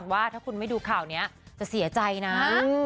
ว่าถ้าคุณไม่ดูข่าวนี้จะเสียใจนะ